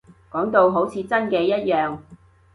講到好似真嘅一樣